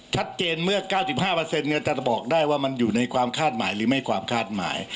แชทเจนเมื่อ๙๕เปอร์เซ็นต์จะบอกได้ว่ามันอยู่ในความคาดหมายหรือไม่ความคาดหมาย